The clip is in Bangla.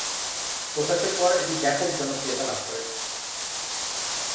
প্রকাশের পর এটি ব্যাপক জনপ্রিয়তা লাভ করে।